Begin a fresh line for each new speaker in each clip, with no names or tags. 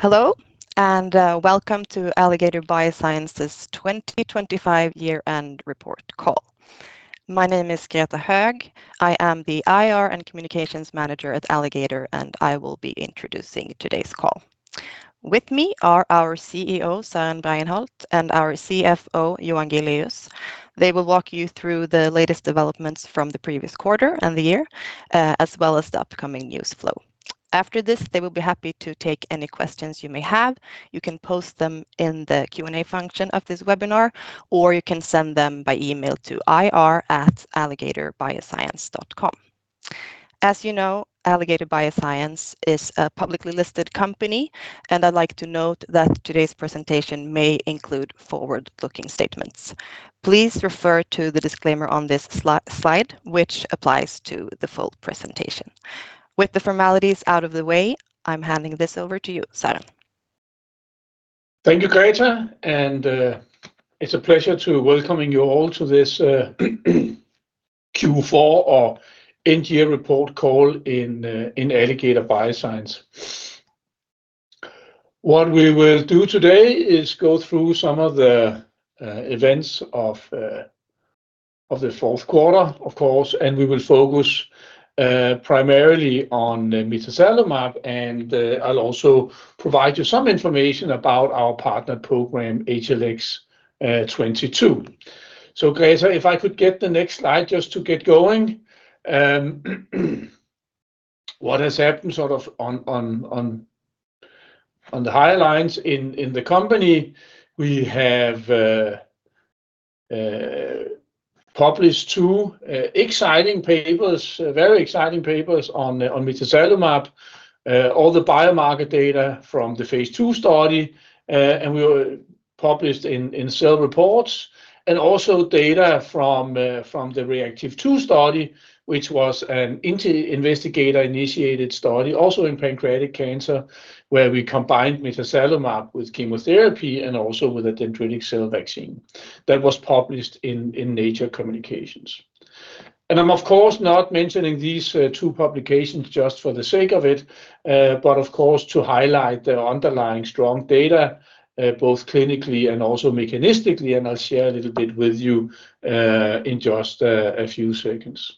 Hello, and welcome to Alligator Bioscience's 2025 year-end report call. My name is Greta Höög. I am the IR and Communications Manager at Alligator, and I will be introducing today's call. With me are our CEO, Søren Bregenholt, and our CFO, Johan Giléus. They will walk you through the latest developments from the previous quarter and the year, as well as the upcoming news flow. After this, they will be happy to take any questions you may have. You can post them in the Q&A function of this webinar, or you can send them by email to ir@alligatorbioscience.com. As you know, Alligator Bioscience is a publicly listed company, and I'd like to note that today's presentation may include forward-looking statements. Please refer to the disclaimer on this slide, which applies to the full presentation. With the formalities out of the way, I'm handing this over to you, Søren.
Thank you, Greta, and it's a pleasure to welcoming you all to this Q4 or end-year report call in Alligator Bioscience. What we will do today is go through some of the events of the fourth quarter, of course, and we will focus primarily on mitazalimab, and I'll also provide you some information about our partner program, HLX22. So Greta, if I could get the next slide just to get going. What has happened sort of on the highlights in the company, we have published two exciting papers, very exciting papers on the mitazalimab. All the biomarker data from the phase II study, and we were published in Cell Reports, and also data from the REACTIVE-2 study, which was an investigator-initiated study, also in pancreatic cancer, where we combined mitazalimab with chemotherapy and also with a dendritic cell vaccine. That was published in Nature Communications. I'm, of course, not mentioning these two publications just for the sake of it, but of course, to highlight the underlying strong data, both clinically and also mechanistically, and I'll share a little bit with you in just a few seconds.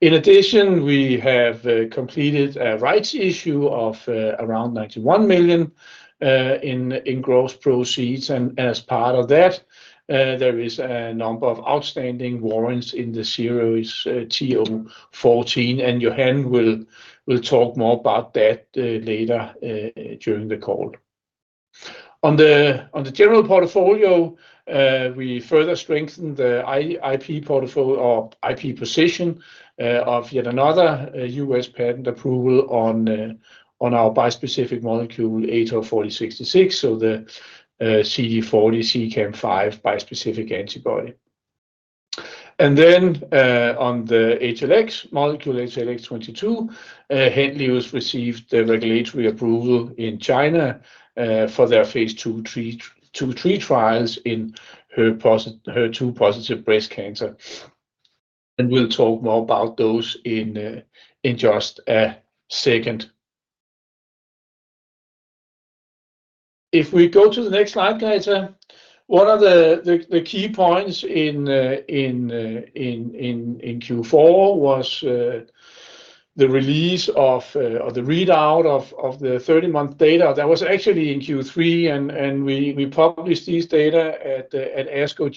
In addition, we have completed a rights issue of around 91 million in gross proceeds, and as part of that, there is a number of outstanding warrants in the series TO 14, and Johan will talk more about that later during the call. On the general portfolio, we further strengthened the IP position of yet another US patent approval on our bispecific molecule ATOR-4066, so the CD40, CEACAM5 bispecific antibody. And then, on the HLX22 molecule, Henlius received the regulatory approval in China for their Phase II/III trials in HER2-positive breast cancer. And we'll talk more about those in just a second. If we go to the next slide, Greta. One of the key points in Q4 was the release of, or the readout of, the 30-month data. That was actually in Q3, and we published this data at ASCO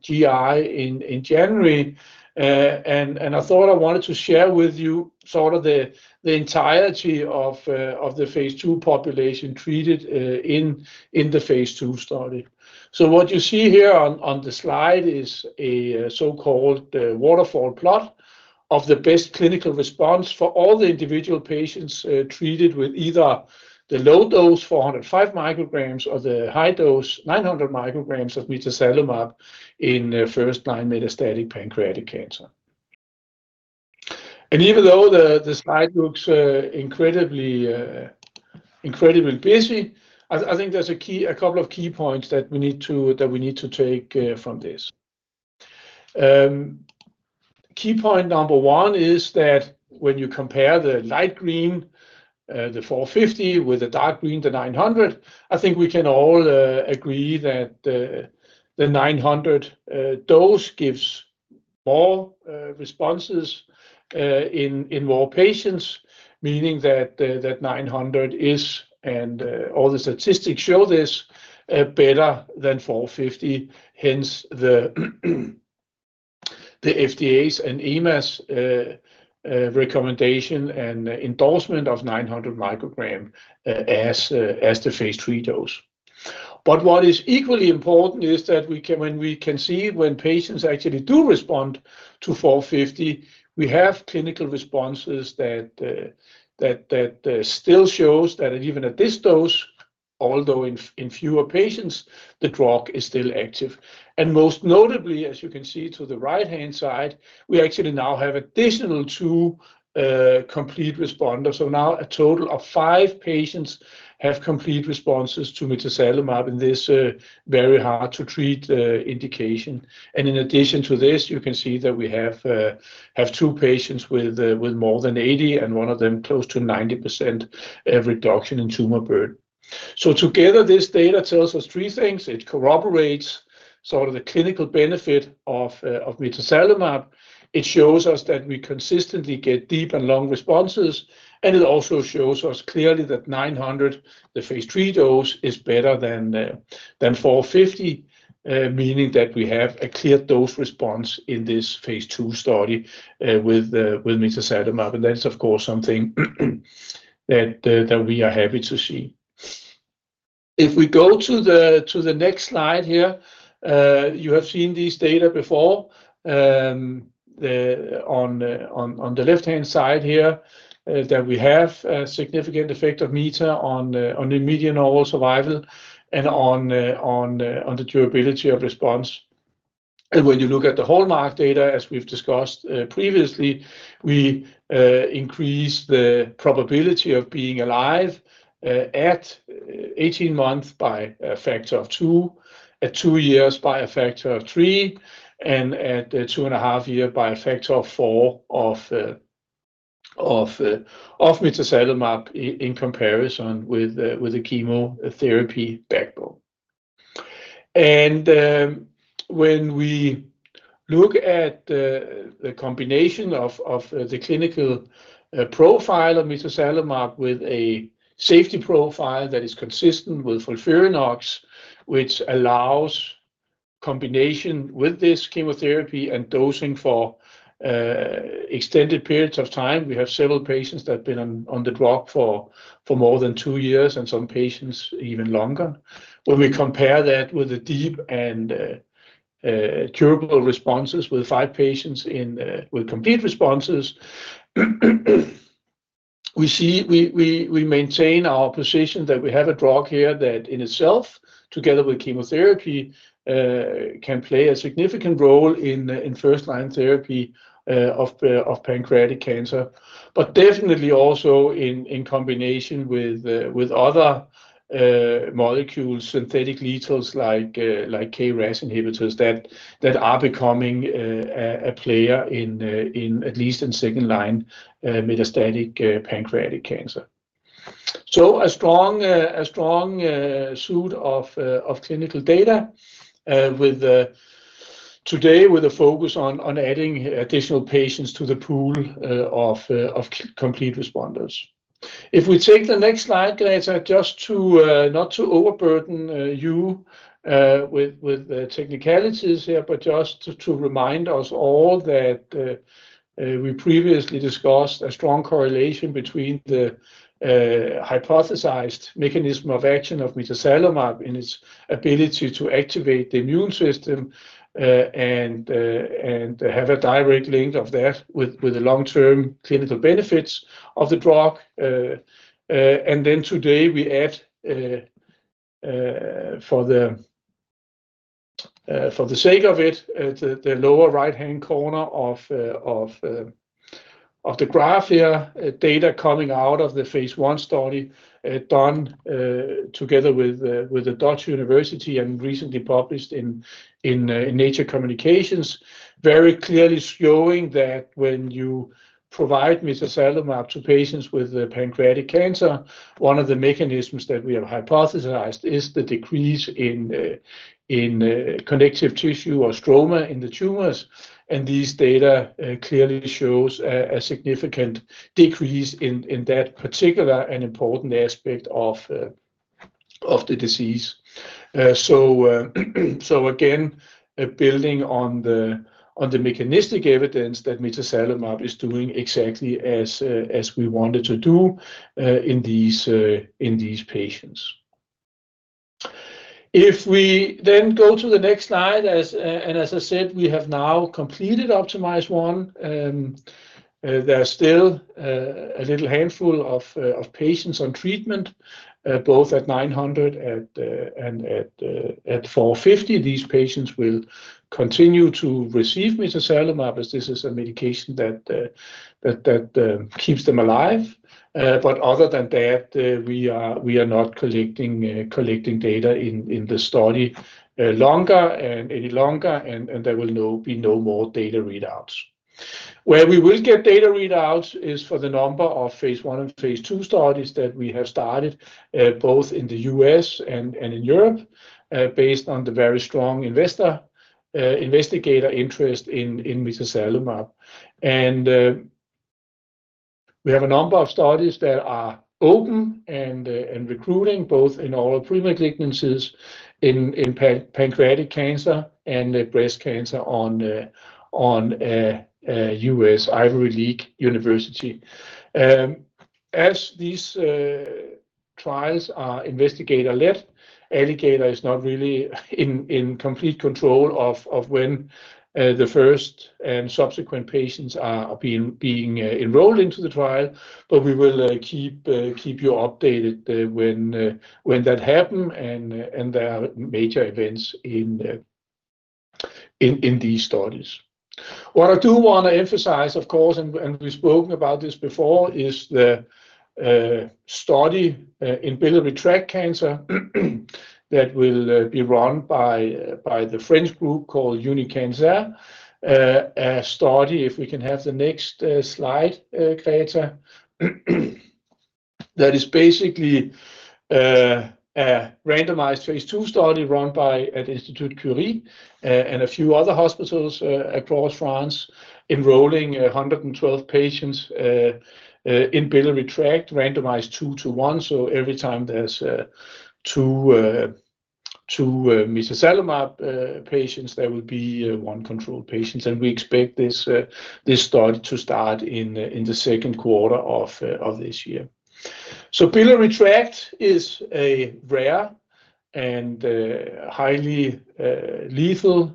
GI in January. And I thought I wanted to share with you sort of the entirety of the phase II population treated in the phase II study. So what you see here on the slide is a so-called waterfall plot of the best clinical response for all the individual patients treated with either the low dose, 405 micrograms, or the high dose, 900 micrograms, of mitazalimab in first-line metastatic pancreatic cancer. Even though the slide looks incredibly busy, I think there's a key... a couple of key points that we need to take from this. Key point number one is that when you compare the light green, the 450, with the dark green, the 900, I think we can all agree that the 900 dose gives more responses in more patients, meaning that 900 is, and all the statistics show this, better than 450, hence, the FDA's and EMA's recommendation and endorsement of 900 microgram as the phase III dose. But what is equally important is that we can—when we can see when patients actually do respond to 450, we have clinical responses that still shows that even at this dose, although in fewer patients, the drug is still active. And most notably, as you can see to the right-hand side, we actually now have additional two complete responders. So now a total of five patients have complete responses to mitazalimab in this very hard to treat indication. And in addition to this, you can see that we have two patients with more than 80%, and one of them close to 90% reduction in tumor burden. So together, this data tells us three things: it corroborates sort of the clinical benefit of mitazalimab; it shows us that we consistently get deep and long responses; and it also shows us clearly that 900, the phase III dose, is better than 450, meaning that we have a clear dose response in this phase II study with mitazalimab. And that's, of course, something that we are happy to see. If we go to the next slide here, you have seen this data before. On the left-hand side here, that we have a significant effect of mitazalimab on the median overall survival and on the durability of response. And when you look at the hallmark data, as we've discussed previously, we increase the probability of being alive at 18 months by a factor of 2, at 2 years by a factor of 3, and at 2.5 years by a factor of 4 of mitazalimab in comparison with a chemotherapy backbone. And when we look at the combination of the clinical profile of mitazalimab with a safety profile that is consistent with FOLFIRINOX, which allows combination with this chemotherapy and dosing for extended periods of time, we have several patients that have been on the drug for more than two years, and some patients even longer. When we compare that with the deep and curable responses with five patients with complete responses, we see. We maintain our position that we have a drug here that in itself, together with chemotherapy, can play a significant role in first-line therapy of pancreatic cancer, but definitely also in combination with other molecules, synthetic lethals, like KRAS inhibitors, that are becoming a player in at least in second-line metastatic pancreatic cancer. So a strong suit of clinical data today, with a focus on adding additional patients to the pool of complete responders. If we take the next slide, Greta, just to not overburden you with technicalities here, but just to remind us all that we previously discussed a strong correlation between the hypothesized mechanism of action of mitazalimab and its ability to activate the immune system, and have a direct link of that with the long-term clinical benefits of the drug. And then today we add, for the sake of it, the lower right-hand corner of the graph here, data coming out of the phase I study done together with the Dutch University and recently published in Nature Communications. Very clearly showing that when you provide mitazalimab to patients with pancreatic cancer, one of the mechanisms that we have hypothesized is the decrease in connective tissue or stroma in the tumors, and these data clearly shows a significant decrease in that particular and important aspect of the disease. So again, building on the mechanistic evidence that mitazalimab is doing exactly as we want it to do in these patients. If we then go to the next slide, and as I said, we have now completed OPTIMIZE-1. There are still a little handful of patients on treatment, both at 900 and at 450. These patients will continue to receive mitazalimab, as this is a medication that keeps them alive. But other than that, we are not collecting data in the study longer, and any longer, and there will be no more data readouts. Where we will get data readouts is for the number of phase I and phase II studies that we have started, both in the U.S. and in Europe, based on the very strong investigator interest in mitazalimab. And we have a number of studies that are open and recruiting, both in all pre-malignancies, in pancreatic cancer and breast cancer on a U.S. Ivy League university. As these trials are investigator-led, Alligator is not really in complete control of when the first and subsequent patients are being enrolled into the trial, but we will keep you updated when that happen, and there are major events in these studies. What I do wanna emphasize, of course, and we've spoken about this before, is the study in biliary tract cancer, that will be run by the French group called Unicancer. A study, if we can have the next slide, Greta.... That is basically a randomized phase II study run by at Institut Curie, and a few other hospitals across France, enrolling 112 patients in biliary tract, randomized 2-to-1. So every time there's two mitazalimab patients, there will be one control patients. And we expect this study to start in the second quarter of this year. So biliary tract is a rare and highly lethal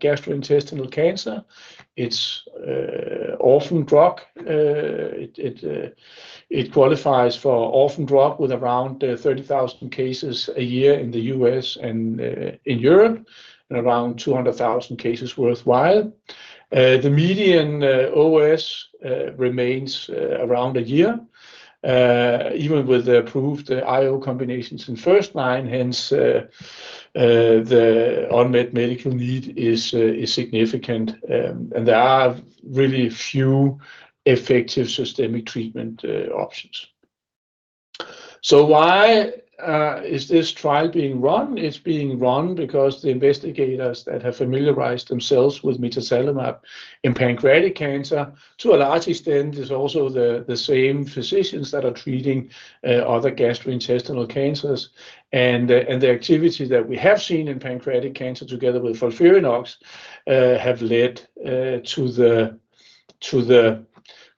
gastrointestinal cancer. It's orphan drug. It qualifies for orphan drug with around 30,000 cases a year in the U.S. and in Europe, and around 200,000 cases worldwide. The median OS remains around a year even with the approved IO combinations in first line, hence the unmet medical need is significant. And there are really few effective systemic treatment options. So why is this trial being run? It's being run because the investigators that have familiarized themselves with mitazalimab in pancreatic cancer, to a large extent, is also the same physicians that are treating other gastrointestinal cancers. And the activity that we have seen in pancreatic cancer together with FOLFIRINOX have led to the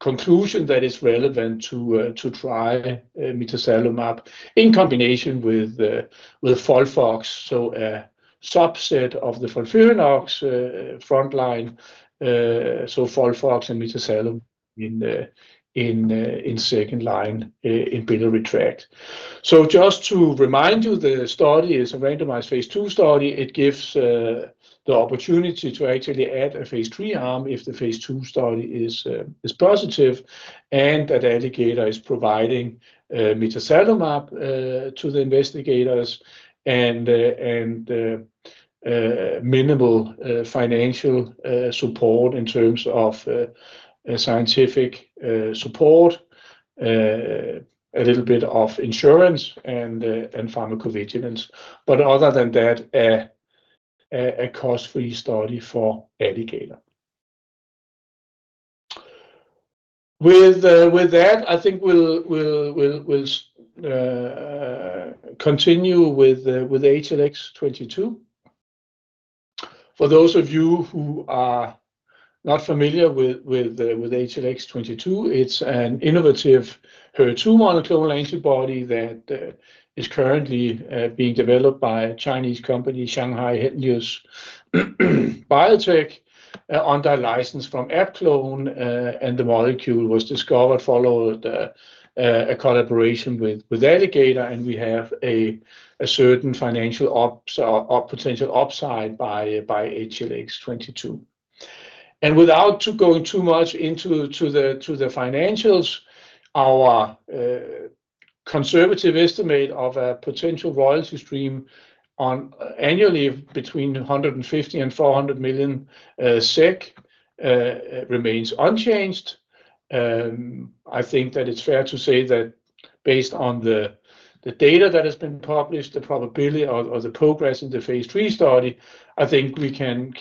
conclusion that it's relevant to try mitazalimab in combination with FOLFOX. So a subset of the FOLFIRINOX frontline, so FOLFOX and mitazalimab in second line in biliary tract. So just to remind you, the study is a randomized phase II study. It gives the opportunity to actually add a phase III arm if the phase II study is positive, and that Alligator is providing mitazalimab to the investigators, and minimal financial support in terms of scientific support, a little bit of insurance and pharmacovigilance. But other than that, a cost-free study for Alligator. With that, I think we'll continue with HLX22. For those of you who are not familiar with HLX22, it's an innovative HER2 monoclonal antibody that is currently being developed by a Chinese company, Shanghai Henlius Biotech, under license from AbClon. And the molecule was discovered following a collaboration with Alligator, and we have a certain financial ops- or potential upside by HLX22. And without going too much into the financials, our conservative estimate of a potential royalty stream on annually between 150 million-400 million SEK remains unchanged. I think that it's fair to say that based on the data that has been published, the probability or the progress in the phase III study, I think we can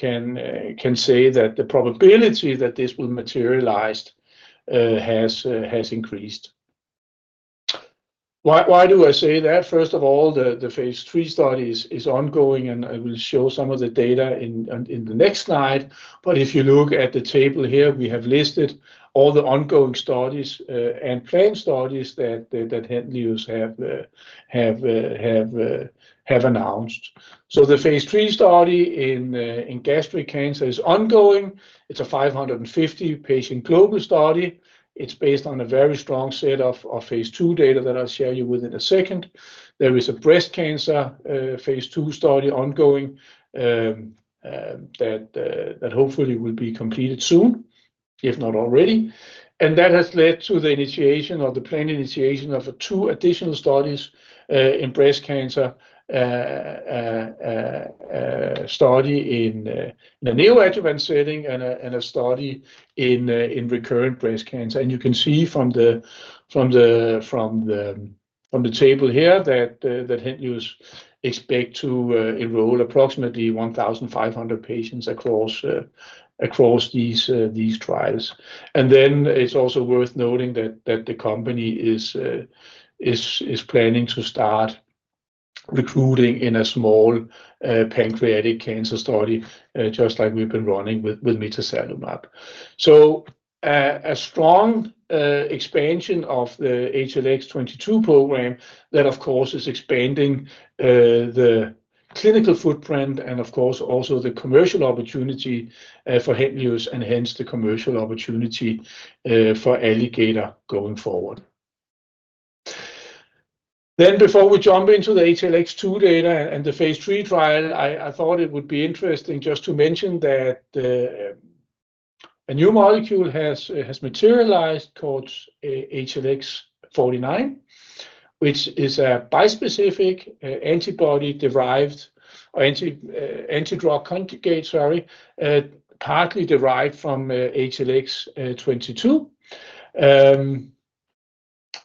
say that the probability that this will materialize has increased. Why do I say that? First of all, the phase III study is ongoing, and I will show some of the data in the next slide. But if you look at the table here, we have listed all the ongoing studies and planned studies that Henlius have announced. So the phase III study in gastric cancer is ongoing. It's a 550 patient global study. It's based on a very strong set of phase II data that I'll share you with in a second. There is a breast cancer phase II study ongoing that hopefully will be completed soon, if not already. And that has led to the initiation or the planned initiation of two additional studies in breast cancer, a study in a neoadjuvant setting and a study in recurrent breast cancer. You can see from the table here that Henlius expects to enroll approximately 1,500 patients across these trials. And then it's also worth noting that the company is planning to start recruiting in a small pancreatic cancer study, just like we've been running with mitazalimab. So, a strong expansion of the HLX22 program, that of course is expanding the clinical footprint and of course also the commercial opportunity for Henlius, and hence the commercial opportunity for Alligator going forward. Then before we jump into the HLX22 data and the phase III trial, I thought it would be interesting just to mention that a new molecule has materialized called HLX49. which is a bispecific antibody drug conjugates, sorry, partly derived from HLX22.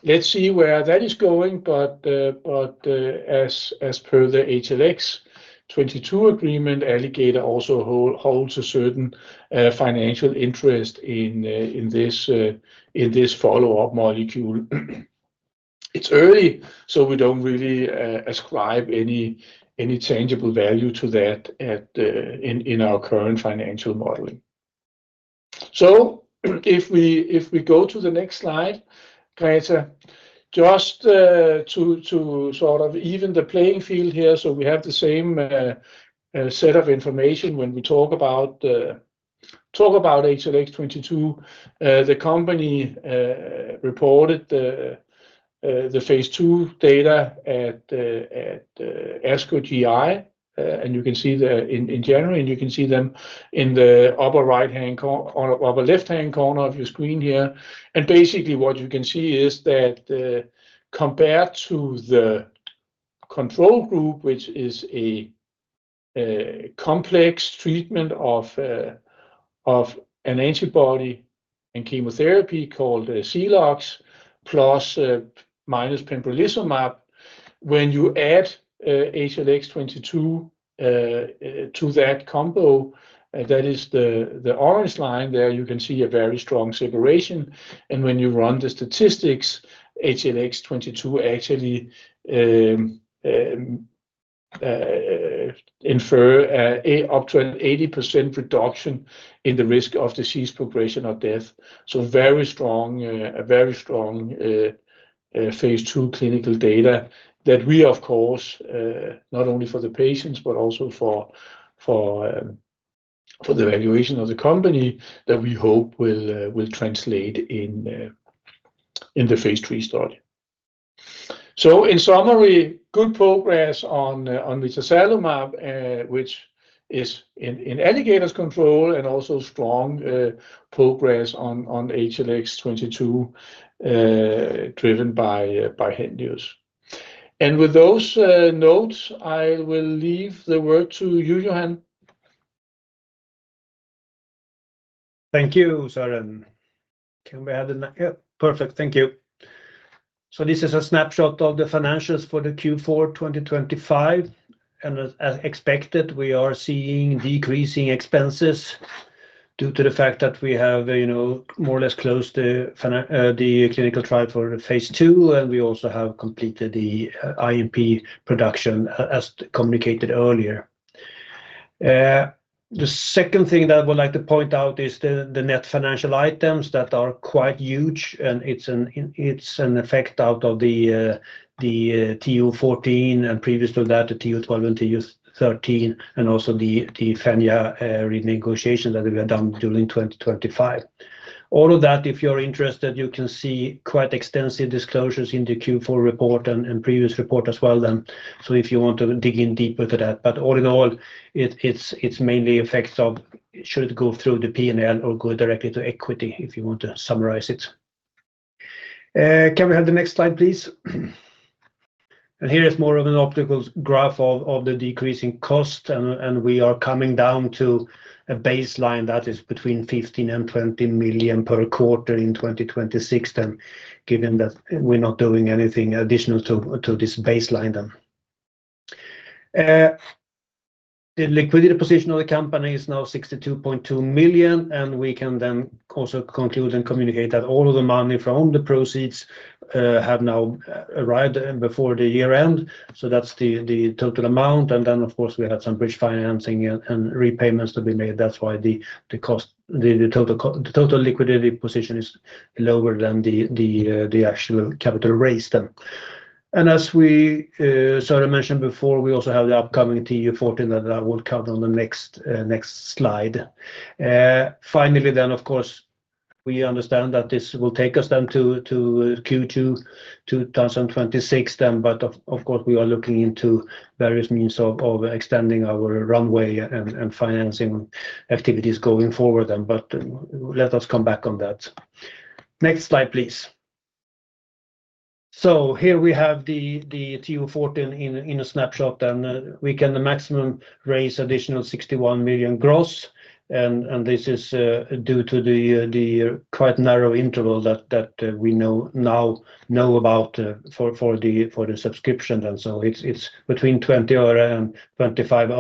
Let's see where that is going, but, but, as per the HLX22 agreement, Alligator also holds a certain financial interest in this follow-up molecule. It's early, so we don't really ascribe any tangible value to that in our current financial modeling. So if we go to the next slide, Greta, just to sort of even the playing field here, so we have the same set of information when we talk about HLX22. The company reported the phase II data at the ASCO GI, and you can see that in January, and you can see them in the upper left-hand corner of your screen here. Basically, what you can see is that, compared to the control group, which is a complex treatment of an antibody and chemotherapy called XELOX, ±pembrolizumab, when you add HLX22 to that combo, that is the orange line there, you can see a very strong separation. And when you run the statistics, HLX22 actually infers up to an 80% reduction in the risk of disease progression or death. So very strong, a very strong, phase II clinical data that we, of course, not only for the patients, but also for, for, for the valuation of the company, that we hope will, will translate in, in the phase III study. So in summary, good progress on, on the mitazalimab, uh, which is in, in Alligator's control, and also strong, uh, progress on, on HLX22, uh, driven by, uh, by Henlius. And with those, uh, notes, I will leave the word to you, Johan.
Thank you, Søren. Can we have the... Yep, perfect. Thank you. So this is a snapshot of the financials for the Q4 2025, and as expected, we are seeing decreasing expenses due to the fact that we have, you know, more or less closed the clinical trial for phase II, and we also have completed the IMP production, as communicated earlier. The second thing that I would like to point out is the net financial items that are quite huge, and it's an effect out of the TO-14, and previous to that, the TO-12 and TO-13, and also the Fenja renegotiation that we have done during 2025. All of that, if you're interested, you can see quite extensive disclosures in the Q4 report and previous report as well then, so if you want to dig in deeper to that. But all in all, it's mainly effects of should it go through the P&L or go directly to equity, if you want to summarize it. Can we have the next slide, please? And here is more of an optical graph of the decreasing cost, and we are coming down to a baseline that is between 15 million and 20 million per quarter in 2026, then given that we're not doing anything additional to this baseline then. The liquidity position of the company is now 62.2 million, and we can then also conclude and communicate that all of the money from the proceeds have now arrived before the year end, so that's the total amount. And then, of course, we had some bridge financing and repayments to be made. That's why the total liquidity position is lower than the actual capital raised then. And as we sort of mentioned before, we also have the upcoming TO 14 that I will cover on the next slide. Finally, then, of course, we understand that this will take us down to Q2 2026 then, but of course, we are looking into various means of extending our runway and financing activities going forward then, but let us come back on that. Next slide, please. So here we have the TO 14 in a snapshot, and we can raise the maximum additional 61 million gross. And this is due to the quite narrow interval that we now know about for the subscription, and so it's between 20 öre and 25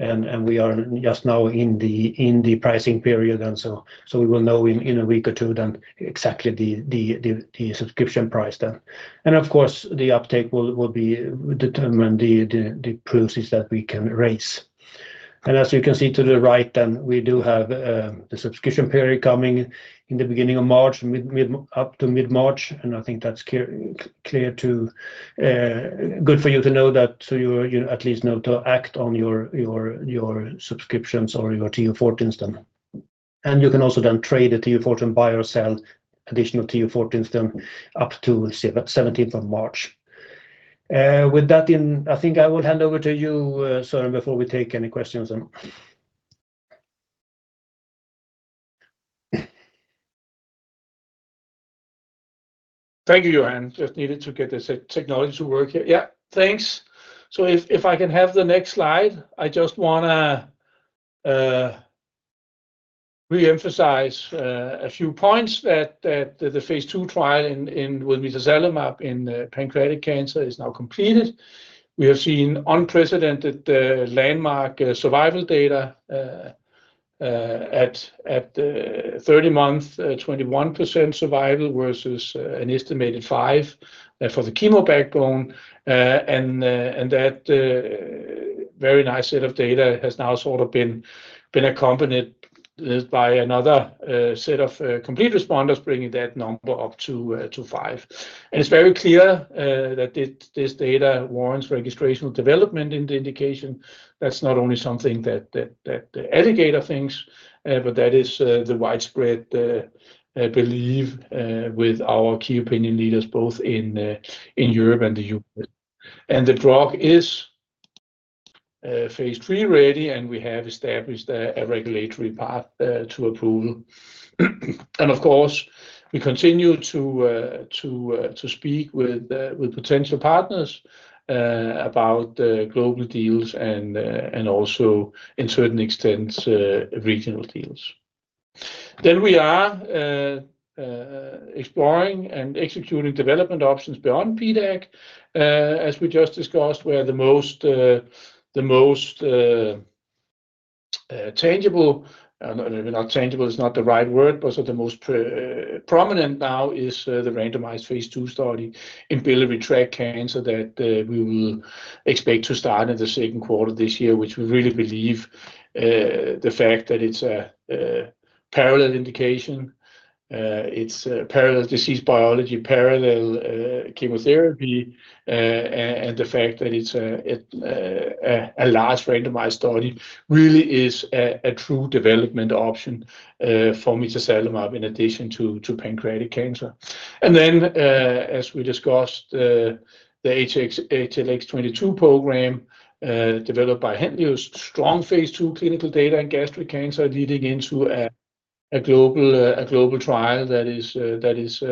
öre, and we are just now in the pricing period, and so we will know in a week or two then exactly the subscription price then. Of course, the uptake will be determine the proceeds that we can raise. As you can see to the right then, we do have the subscription period coming in the beginning of March up to mid-March, and I think that's clear to good for you to know that, so you at least know to act on your subscriptions or your TO 14s then. And you can also then trade the TO 14, buy or sell additional TO 14s then, up to seventeenth of March. With that, then, I think I will hand over to you, Søren, before we take any questions, then.
Thank you, Johan. Just needed to get the technology to work here. Yeah, thanks. So if I can have the next slide, I just wanna re-emphasize a few points that the phase II trial in with mitazalimab in pancreatic cancer is now completed. We have seen unprecedented landmark survival data at 30 months, 21% survival versus an estimated 5 for the chemo backbone. And that very nice set of data has now sort of been accompanied by another set of complete responders, bringing that number up to 5. And it's very clear that this data warrants registrational development in the indication. That's not only something that Alligator thinks, but that is the widespread belief with our key opinion leaders, both in Europe and the US. The drug is phase III ready, and we have established a regulatory path to approval. Of course, we continue to speak with potential partners about global deals and also in certain extents, regional deals. Then we are exploring and executing development options beyond PDAC. As we just discussed, where the most tangible... no, tangible is not the right word. But so the most prominent now is the randomized phase II study in biliary tract cancer that we will expect to start in the second quarter this year, which we really believe the fact that it's a parallel indication, it's a parallel disease biology, parallel chemotherapy, and the fact that it's a large randomized study, really is a true development option for mitazalimab, in addition to pancreatic cancer. And then, as we discussed, the HLX22 program developed by Henlius, strong phase II clinical data in gastric cancer, leading into a global trial that is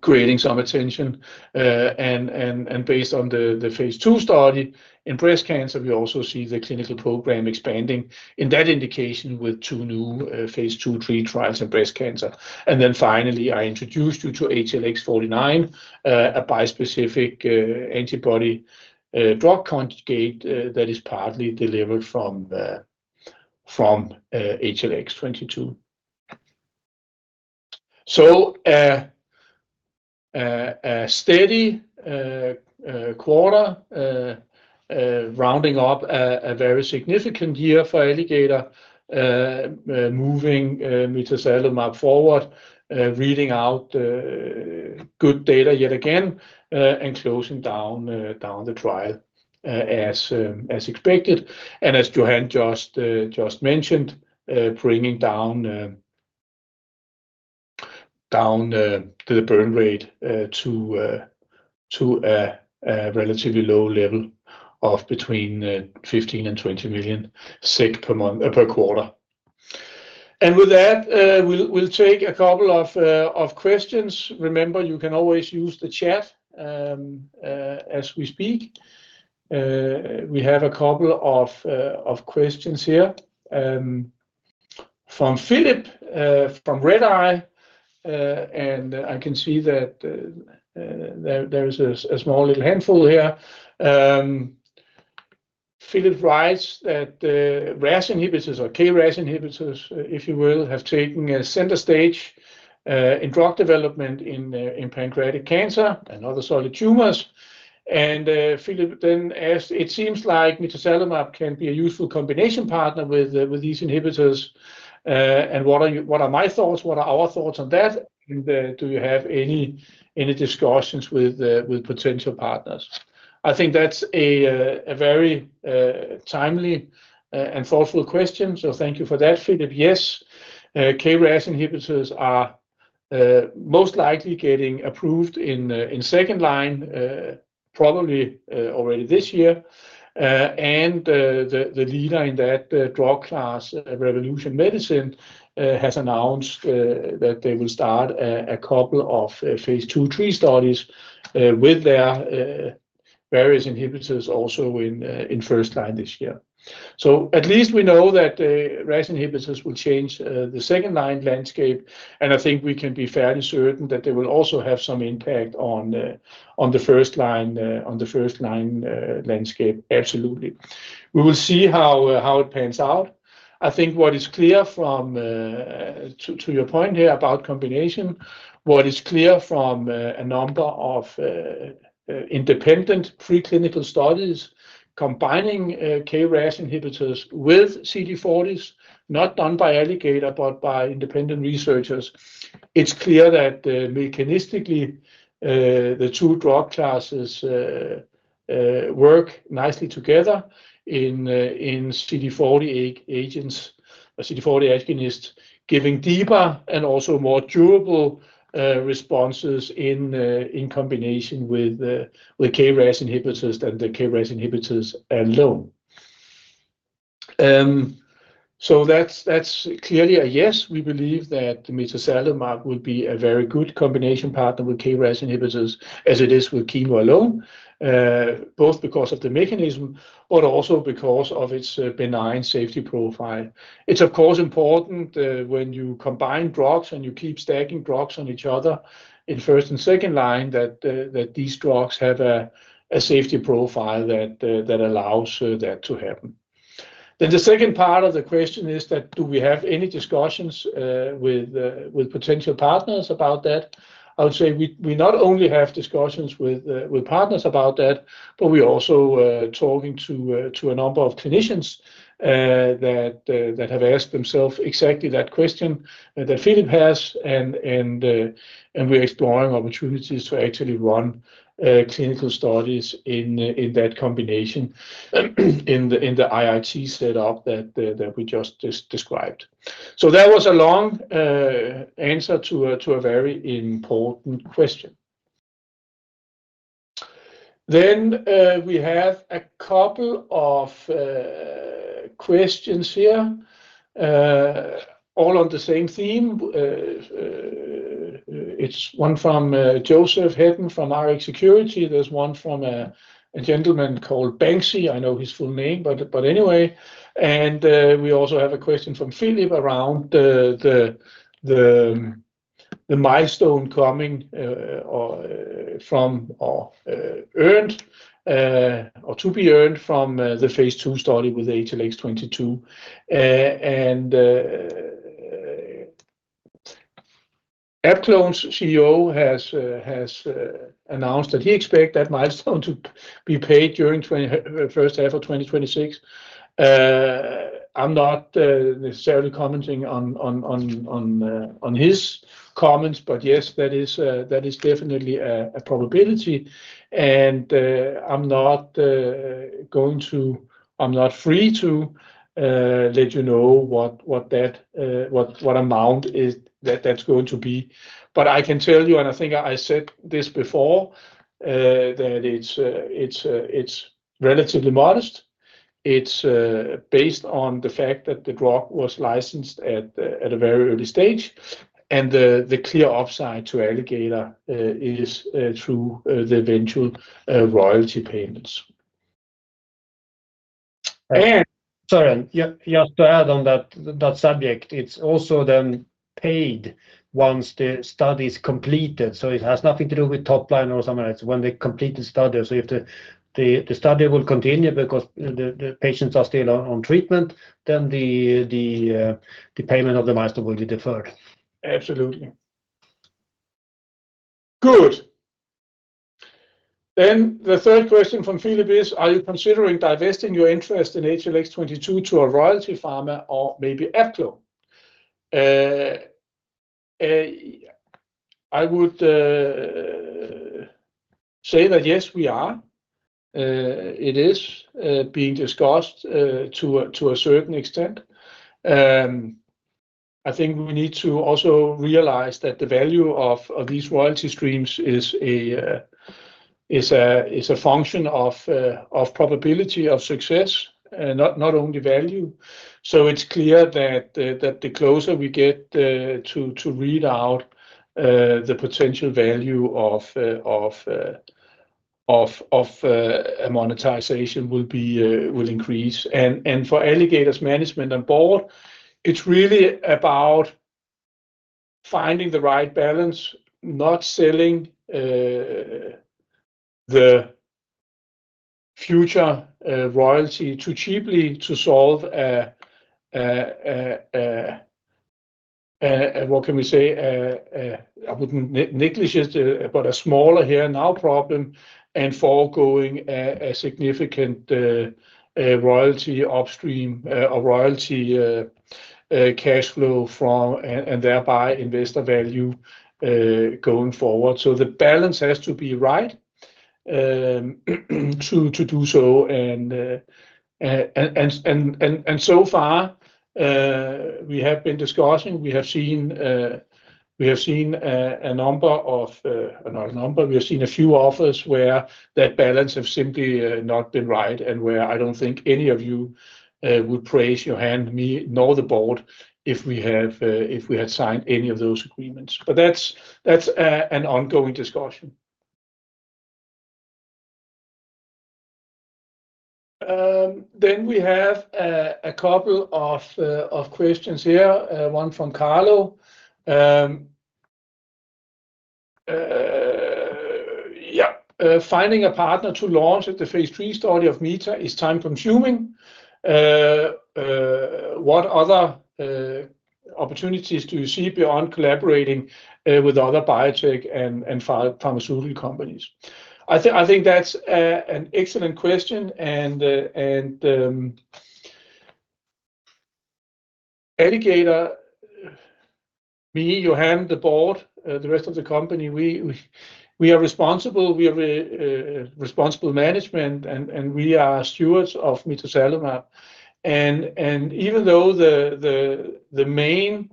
creating some attention. Based on the phase II study in breast cancer, we also see the clinical program expanding in that indication with two new phase II/III trials in breast cancer. And then finally, I introduced you to HLX49, a bispecific antibody drug conjugate that is partly delivered from HLX22. So, a steady quarter rounding up a very significant year for Alligator, moving mitazalimab forward, reading out good data yet again, and closing down the trial as expected. And as Johan just mentioned, bringing down the burn rate to a relatively low level of between 15 million and 20 million per quarter. And with that, we'll take a couple of questions. Remember, you can always use the chat as we speak. We have a couple of questions here from Filip from Redeye, and I can see that there is a small little handful here. Filip writes that RAS inhibitors or KRAS inhibitors, if you will, have taken center stage in drug development in pancreatic cancer and other solid tumors. And Filip then asked, it seems like mitazalimab can be a useful combination partner with these inhibitors. And what are our thoughts on that? And do you have any discussions with potential partners? I think that's a very timely and thoughtful question, so thank you for that, Filip. Yes, KRAS inhibitors are most likely getting approved in second line, probably already this year. And the leader in that drug class, Revolution Medicines, has announced that they will start a couple of phase II/III studies with their various inhibitors also in first line this year. So at least we know that RAS inhibitors will change the second-line landscape, and I think we can be fairly certain that they will also have some impact on the first line, on the first-line landscape. Absolutely. We will see how it pans out. I think what is clear from to your point here about combination, what is clear from a number of independent preclinical studies, combining KRAS inhibitors with CD40s, not done by Alligator, but by independent researchers, it's clear that mechanistically the two drug classes work nicely together in CD40 agents, CD40 agonists, giving deeper and also more durable responses in combination with KRAS inhibitors than the KRAS inhibitors alone. So that's clearly a yes. We believe that mitazalimab will be a very good combination partner with KRAS inhibitors as it is with chemo alone. Both because of the mechanism, but also because of its benign safety profile. It's of course important when you combine drugs and you keep stacking drugs on each other in first and second line, that these drugs have a safety profile that allows that to happen. Then the second part of the question is that, do we have any discussions with potential partners about that? I would say we not only have discussions with partners about that, but we're also talking to a number of clinicians that have asked themselves exactly that question that Filip has, and we're exploring opportunities to actually run clinical studies in that combination, in the IIT setup that we just described. So that was a long answer to a very important question. Then, we have a couple of questions here, all on the same theme. It's one from Joseph Hedden, from Rx Securities. There's one from a gentleman called Banksy. I know his full name, but anyway, and we also have a question from Filip around the milestone coming, or from or earned, or to be earned from the phase II study with HLX22. And AbClon's CEO has announced that he expect that milestone to be paid during first half of 2026. I'm not necessarily commenting on his comments, but yes, that is definitely a probability, and I'm not going to—I'm not free to let you know what that amount is that's going to be. But I can tell you, and I think I said this before, that it's relatively modest. It's based on the fact that the drug was licensed at a very early stage, and the clear upside to Alligator is through the eventual royalty payments.
Sorry, yeah, just to add on that subject, it's also then paid once the study is completed. So it has nothing to do with top line or something, it's when they complete the study. So if the study will continue because the patients are still on treatment, then the payment of the milestone will be deferred.
Absolutely. Good. Then the third question from Filip is: Are you considering divesting your interest in HLX22 to a Royalty Pharma or maybe AbClon? I would say that, yes, we are. It is being discussed to a certain extent. I think we need to also realize that the value of these royalty streams is a function of probability of success, not only value. So it's clear that the closer we get to read out, the potential value of a monetization will increase. And for Alligator's management and board, it's really about finding the right balance, not selling the future royalty too cheaply to solve what can we say? I wouldn't be negligent, but it's a smaller issue now, a problem, and foregoing a significant royalty stream, a royalty cash flow from, and thereby investor value going forward. So the balance has to be right to do so. And so far, we have been discussing, we have seen, we have seen a number of, not a number, we have seen a few offers where that balance have simply not been right, and where I don't think any of you would raise your hand, me nor the board, if we had signed any of those agreements. But that's an ongoing discussion. Then we have a couple of questions here, one from Carlo. Yeah, finding a partner to launch at the phase III study of mitazalimab is time-consuming. What other opportunities do you see beyond collaborating with other biotech and pharmaceutical companies? I think that's an excellent question, and Alligator, me, Johan, the board, the rest of the company, we are responsible, we are a responsible management, and we are stewards of mitazalimab. Even though the main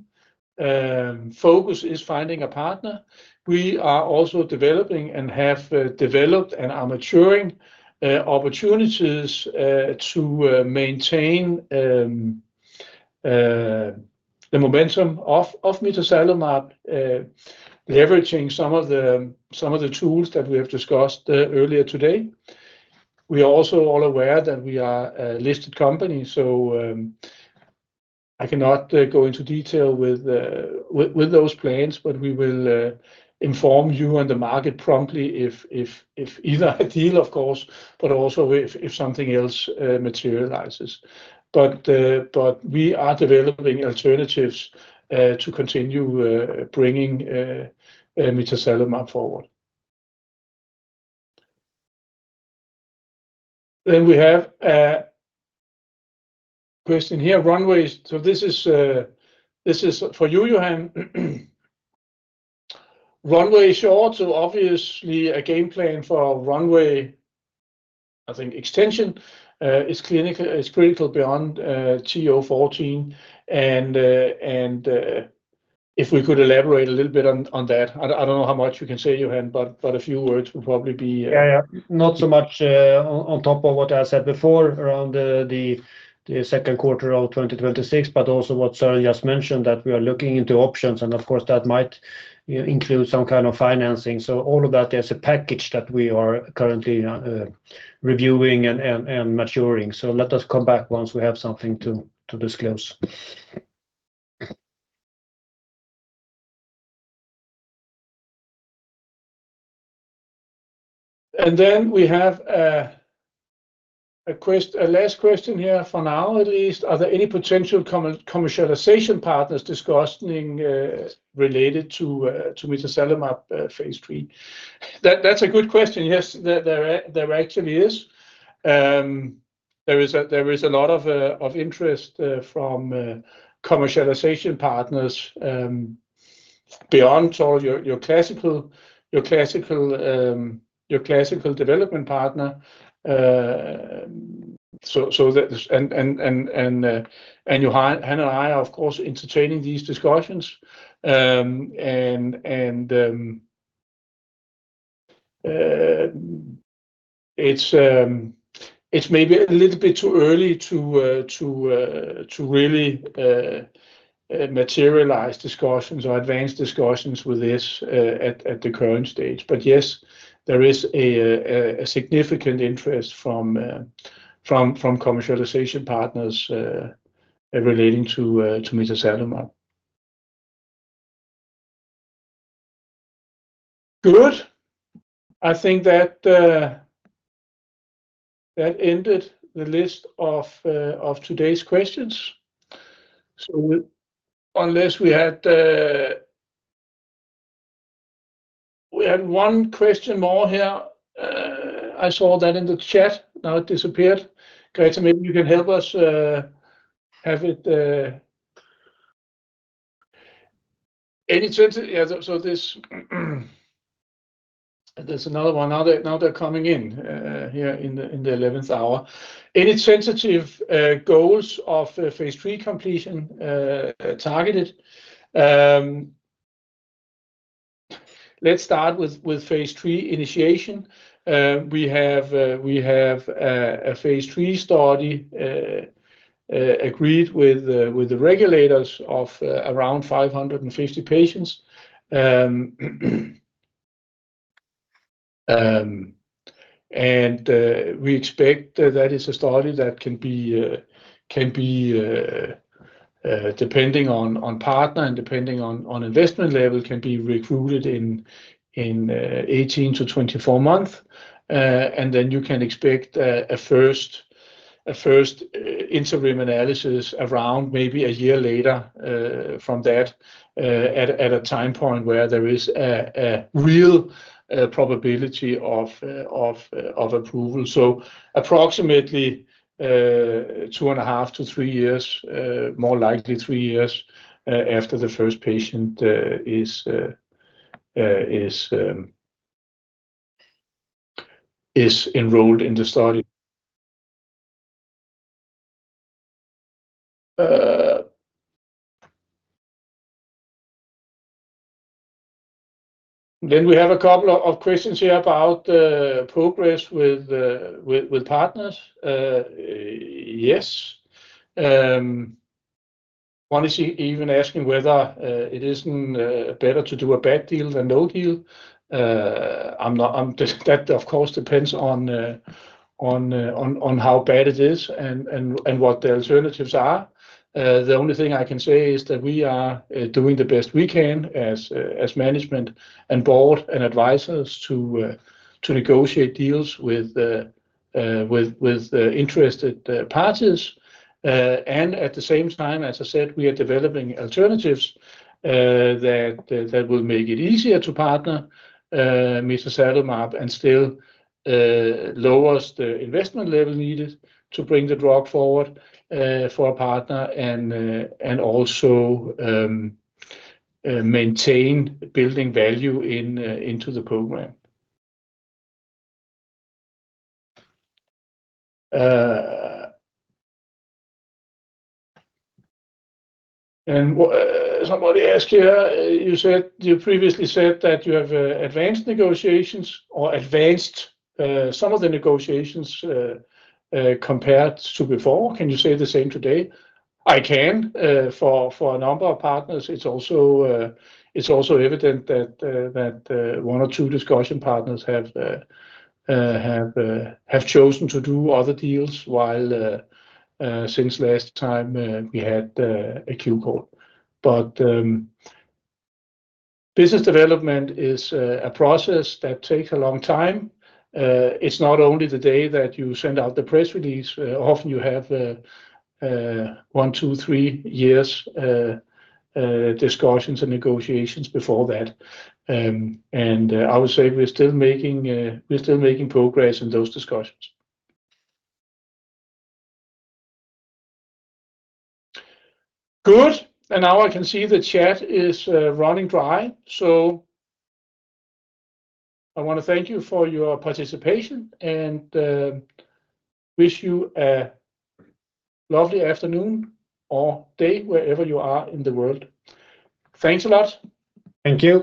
focus is finding a partner. We are also developing and have developed and are maturing opportunities to maintain the momentum of mitazalimab, leveraging some of the tools that we have discussed earlier today. We are also all aware that we are a listed company, so I cannot go into detail with those plans, but we will inform you and the market promptly if either a deal, of course, but also if something else materializes. But we are developing alternatives to continue bringing mitazalimab forward. Then we have a question here, runways. So this is for you, Johan. Runway short, so obviously a game plan for runway, I think extension is clinical- is critical beyond TO 14, and if we could elaborate a little bit on that. I don't know how much you can say, Johan, but a few words would probably be-
Yeah, yeah. Not so much on top of what I said before, around the second quarter of 2026, but also what Søren just mentioned, that we are looking into options, and of course, that might include some kind of financing. So all of that is a package that we are currently reviewing and maturing. So let us come back once we have something to disclose.
And then we have a last question here for now, at least. Are there any potential commercialization partners discussing related to mitazalimab phase III? That's a good question. Yes, there actually is. There is a lot of interest from commercialization partners beyond all your classical development partner. So that. And Johan and I are, of course, entertaining these discussions. And it's maybe a little bit too early to really materialize discussions or advance discussions with this at the current stage. But yes, there is a significant interest from commercialization partners relating to mitazalimab. Good. I think that that ended the list of today's questions. So unless we had... We had one question more here, I saw that in the chat. Now it disappeared. Greta, maybe you can help us have it... Any sensitive, yeah, so, so this, there's another one. Now they're now they're coming in here in the eleventh hour. Any sensitive goals of phase III completion targeted? Let's start with phase III initiation. We have a we have a phase III study agreed with the regulators of around 550 patients. And we expect that is a study that can be, depending on partner and depending on investment level, can be recruited in 18-24 months. And then you can expect a first interim analysis around maybe a year later from that, at a time point where there is a real probability of approval. So approximately two and a half to three years, more likely three years, after the first patient is enrolled in the study. Then we have a couple of questions here about progress with partners. Yes, one is even asking whether it isn't better to do a bad deal than no deal. I'm not... That, of course, depends on how bad it is and what the alternatives are. The only thing I can say is that we are doing the best we can as management and board and advisors to negotiate deals with interested parties. And at the same time, as I said, we are developing alternatives that will make it easier to partner mitazalimab, and still lowers the investment level needed to bring the drug forward for a partner and also maintain building value into the program. And somebody asked here, you said you previously said that you have advanced negotiations or advanced some of the negotiations compared to before. Can you say the same today? I can for a number of partners. It's also evident that one or two discussion partners have chosen to do other deals while, since last time we had a Q call. But business development is a process that takes a long time. It's not only the day that you send out the press release. Often you have one, two, three years discussions and negotiations before that. And I would say we're still making progress in those discussions. Good. I can see the chat is running dry. So I want to thank you for your participation and wish you a lovely afternoon or day, wherever you are in the world. Thanks a lot.
Thank you.